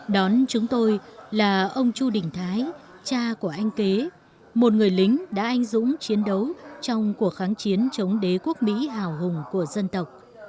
đón chúng tôi là ông chu đình thái cha của anh kế một người lính đã anh dũng chiến đấu trong cuộc kháng chiến chống đế quốc mỹ hào hùng của dân tộc